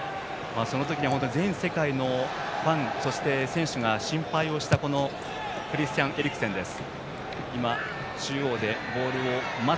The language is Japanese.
その時には全世界のファンそして選手が心配したクリスティアン・エリクセンです。